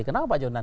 kenapa pak jonan